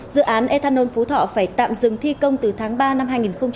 dự án ethanol phú thọ phải tạm dừng thi công từ tháng ba năm hai nghìn một mươi ba